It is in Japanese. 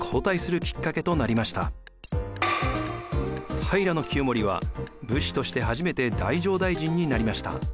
平清盛は武士として初めて太政大臣になりました。